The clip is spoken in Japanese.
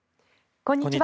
こんにちは。